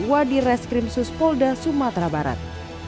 wadi reskrim suspolda sumatera barat